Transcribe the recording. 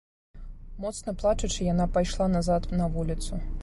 Моцна плачучы, яна пайшла назад на вуліцу.